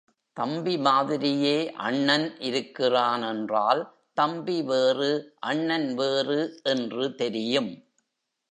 தம்பி மாதிரியே அண்ணன் இருக்கிறான் என்றால், தம்பி வேறு, அண்ணன் வேறு என்று தெரியும்.